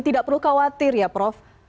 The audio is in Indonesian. tidak perlu khawatir ya prof